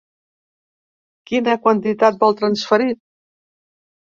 Quina quantitat vol transferir?